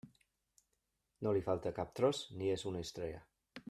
No li falta cap tros ni és una estrella.